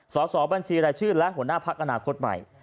สอบบัญชีรายชื่อและหัวหน้าพักอนาคตใหม่